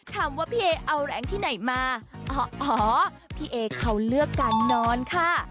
คำว่าพี่เอเอาแรงที่ไหนมาอ๋อพี่เอเขาเลือกการนอนค่ะ